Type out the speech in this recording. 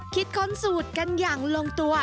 ค้นสูตรกันอย่างลงตัว